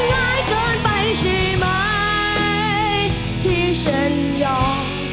ง่ายเกินไปใช่ไหมที่ฉันยอม